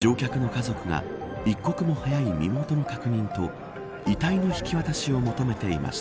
乗客の家族が一刻も早い身元の確認と遺体の引き渡しを求めていました。